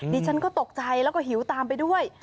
ดิฉันก็ตกใจแล้วก็หิวตามไปด้วย